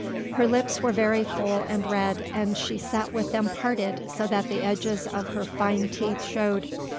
Her lips were very full and red, and she sat with them parted so that the edges of her fine teeth showed.